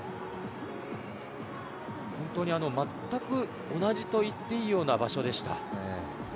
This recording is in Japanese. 本当にまったく同じと言っていいような場所でした。